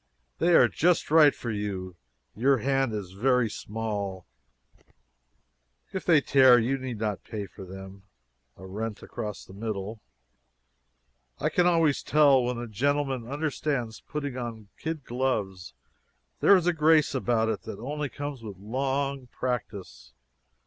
] They are just right for you your hand is very small if they tear you need not pay for them. [A rent across the middle.] I can always tell when a gentleman understands putting on kid gloves. There is a grace about it that only comes with long practice."